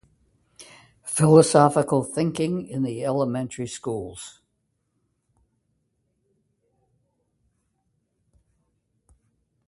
Philosophical Thinking in the Elementary Schools.